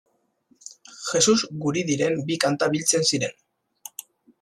Jesus Guridiren bi kanta biltzen ziren.